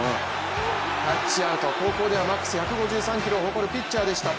タッチアウト、高校ではマックス１５３キロを誇るピッチャーでした。